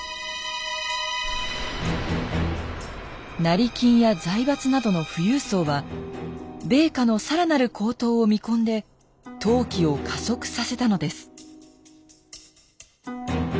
成金や財閥などの富裕層は米価の更なる高騰を見込んで投機を加速させたのです。